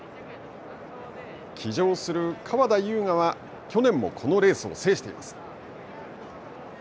騎乗する川田将雅は去年もこのレースを制しています。